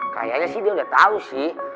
kayaknya sih dia nggak tahu sih